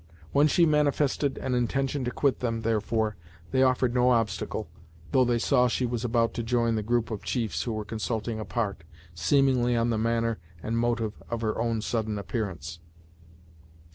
When she manifested an intention to quit them, therefore, they offered no obstacle, though they saw she was about to join the group of chiefs who were consulting apart, seemingly on the manner and motive of her own sudden appearance.